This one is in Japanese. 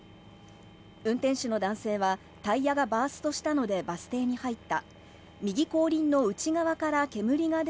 運転手の男性は、タイヤがバーストしたのでバス停に入った。